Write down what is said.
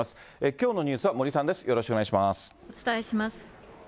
きょうのニュースは森さんです、お伝えします。